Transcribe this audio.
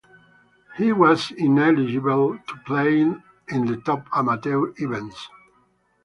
He was ineligible to play in the top amateur events.